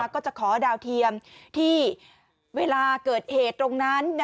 ก็จะขอดาวเทียมที่เวลาเกิดเหตุตรงนั้น